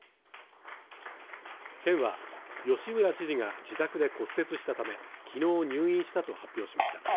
県は吉村知事が自宅で骨折したため、きのう入院したと発表しました。